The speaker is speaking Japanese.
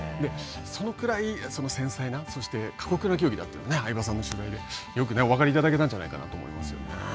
そのくらい繊細な、そして過酷な競技だという、相葉さんの取材でよくお分かりいただけたんじゃないかなと思います。